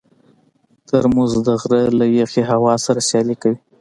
ترموز د غره له یخې هوا سره سیالي کوي.